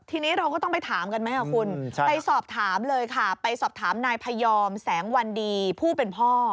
ทีนี้เราก็ต้องไปถามกันไหมคุณไปสอบถามเลยค่ะไปสอบถามนายพยอมแสงวันดีผู้เป็นพ่อ